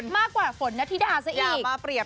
มากกว่าฝนนาธิดาซะอีก